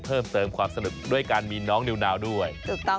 เพิ่มเติมความสนุกด้วยการมีน้องนิวนาวด้วย